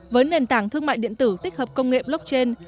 với nền tảng thương mại điện tử tích hợp công nghệ blockchain